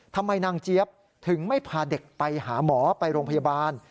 ทำไมนางเจี๊ยบถึงไม่พาเด็กไปหาหมอไปโรงพยาบาล